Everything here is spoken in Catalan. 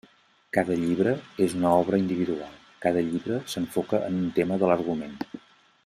Cada llibre és una obra individual; cada llibre s'enfoca en un tema de l'argument.